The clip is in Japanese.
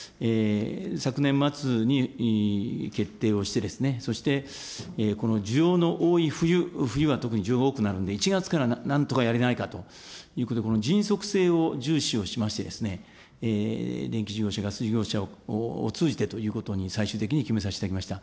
昨年末に決定をして、そしてこの需要の多い冬、冬は特に需要が多くなるので、１月からなんとかやれないかということで、この迅速性を重視をしまして、電気事業者、ガス事業者を通じてということに最終的に決めさせていただきました。